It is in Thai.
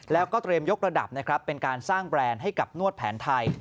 แล้วก็เตรียมยกระดับนะครับเป็นการสร้างแบรนด์ให้กับนวดแผนไทย